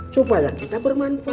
supaya kita bermanfaat